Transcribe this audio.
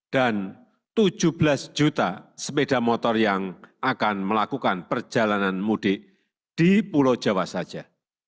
dan tujuh belas juta sepeda motor yang akan melakukan perjalanan mudik di pulau jawa saja